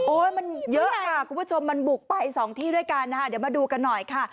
มันเยอะค่ะคุณผู้ชมมันบุกไปสองที่ด้วยกันนะคะเดี๋ยวมาดูกันหน่อยค่ะ